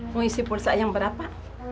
mau isi pulsa yang berapa